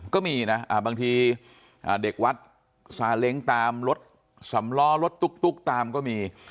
ก็มีนะบางทีเด็กวัดซาเล้งตามรถสำล้อรถตุ๊กตามก็มี